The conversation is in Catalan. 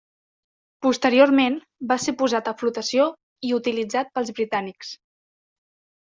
Posteriorment va ser posat a flotació i utilitzat pels britànics.